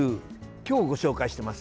今日ご紹介しています